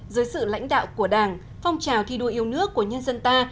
dưới sự lãnh đạo của đảng phong trào thi đua yêu nước của nhân dân ta